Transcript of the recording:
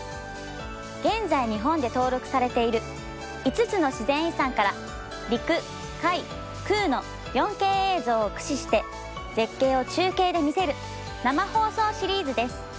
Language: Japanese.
現在日本で登録されている５つの自然遺産から陸・海・空の４Ｋ映像を駆使して絶景を中継で見せる生放送シリーズです。